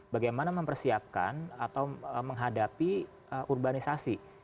bagaimana mempersiapkan atau menghadapi urbanisasi